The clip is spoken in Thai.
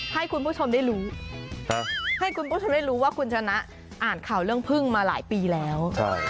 ให้คุณผู้ชมได้รู้ว่าคุณชนะอ่านข่าวเรื่องผึ้งมาหลายปีแล้ว